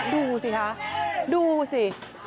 ดูสิคะดูสิ